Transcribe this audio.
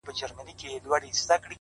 نظم د بریالۍ ورځې چوکاټ دی،